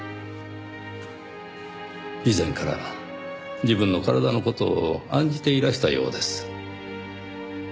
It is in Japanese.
以前から自分の体の事を案じていらしたようです。